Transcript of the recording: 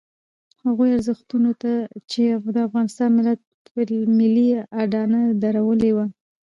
هغو ارزښتونو چې د افغان ملت ملي اډانه درولې وه.